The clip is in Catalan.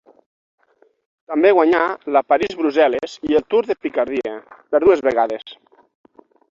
També guanyà la París-Brussel·les i el Tour de Picardia, per dues vegades.